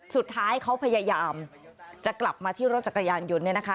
สุดท้ายเขาพยายามจะกลับมาที่รถจักรยานยนต์เนี่ยนะคะ